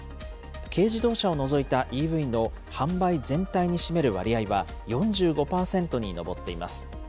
軽自動車を除いたＥＶの販売全体に占める割合は４５％に上っています。